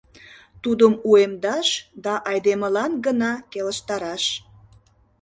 Тудым уэмдаш да айдемылан гына келыштараш.